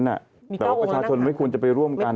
แต่ว่าประชาชนไม่ควรจะไปร่วมกัน